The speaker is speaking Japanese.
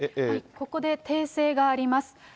ここで訂正があります。